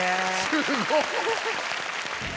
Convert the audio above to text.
すごっ！